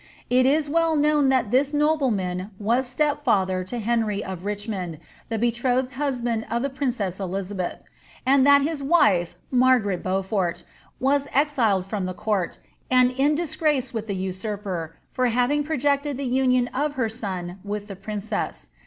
It is well known that this nobleman was stepfather to Henry of Richmond, the betrothed husband of the princess Elizabeth ; and that his wife, Margaret Beaufort, was exiled from the court, and in disgrace with the usurper, for having projected the union of her son with Sie princess.